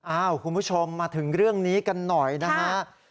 คุณผู้ชมมาถึงเรื่องนี้กันหน่อยนะฮะ